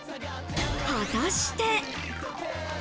果たして。